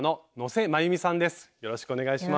よろしくお願いします。